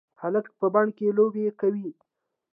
هلک په بڼ کې لوبې کوي.